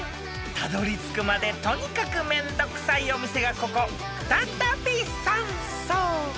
［たどりつくまでとにかくめんどくさいお店がここ再度山荘］